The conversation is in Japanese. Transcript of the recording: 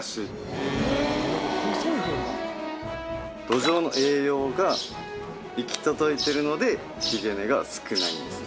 土壌の栄養が行き届いてるのでひげ根が少ないんです。